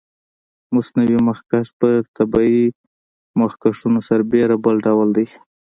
مصنوعي مخکش پر طبیعي مخکشونو سربېره بل ډول دی.